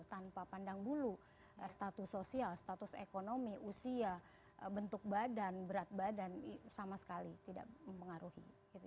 tanpa pandang bulu status sosial status ekonomi usia bentuk badan berat badan sama sekali tidak mempengaruhi